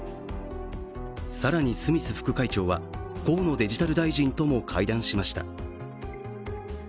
更にスミス副会長は河野デジタル大臣とも会談しました。